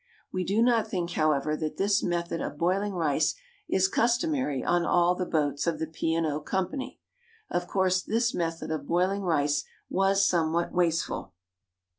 We do not think, however, that this method of boiling rice is customary on all the boats of the P. and O. Company. Of course this method of boiling rice was somewhat wasteful.